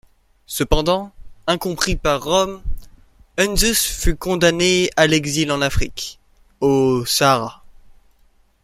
Cependant, incompris par Rome, Enzus fut condamné à l'exil en Afrique, au Sahara.